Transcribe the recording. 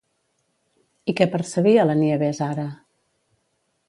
I què percebia, la Nieves, ara?